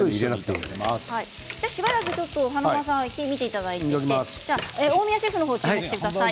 しばらく華丸さんに火を見ていただいて大宮シェフの方に注目してください。